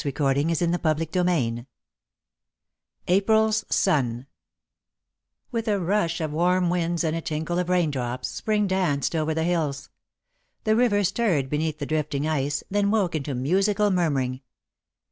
IV April's Sun [Sidenote: The Joy of Morning] With a rush of warm winds and a tinkle of raindrops, Spring danced over the hills. The river stirred beneath the drifting ice, then woke into musical murmuring.